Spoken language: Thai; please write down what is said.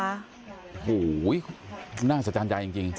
โอ้โฮน่าสะจารใจจริง